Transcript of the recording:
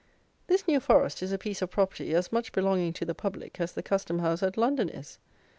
This New Forest is a piece of property, as much belonging to the public as the Custom House at London is.